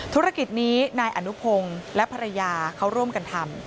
ธุรกิจนี้นายอนุพงศ์และภรรยาเขาร่วมกันทำ